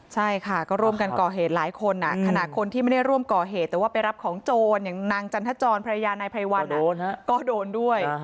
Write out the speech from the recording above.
ใช่ค่ะก็ร่วมกันก่อเหตุหลายคนขณะคนที่ไม่ได้ร่วมก่อเหตุแต่ว่าไปรับของโจรอย่างนางจันทจรภรรยานายไพรวันก็โดนด้วย